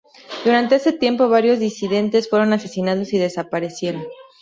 Durante ese tiempo varios disidentes fueron asesinados y 'desaparecieron'.